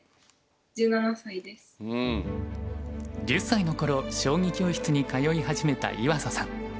１０歳の頃将棋教室に通い始めた岩佐さん。